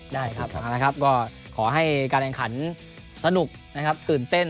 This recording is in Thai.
ได้ขอให้การแรงขันสนุกตื่นเต้นถูกใจแฟนบอล